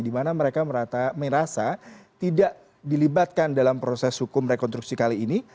di mana mereka merasa tidak dilibatkan dalam proses hukum rekonstruksi kali ini